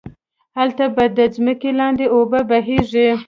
هلته به ده ځمکی لاندی اوبه بهيږي